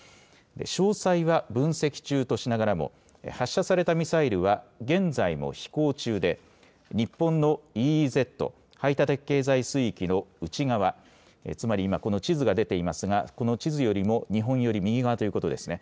詳細は分析中としながらも発射されたミサイルは現在も飛行中で日本のＥＥＺ・排他的経済水域の内側、つまり今この地図が出ていますがこの地図よりも日本より、右側ということですね。